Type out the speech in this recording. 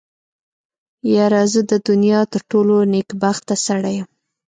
يره زه د دونيا تر ټولو نېکبخته سړی يم.